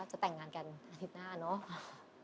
จะแต่งงานกันอาทิตย์หน้าเนอะ